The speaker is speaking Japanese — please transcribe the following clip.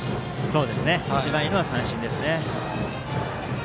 一番いいのは三振ですね。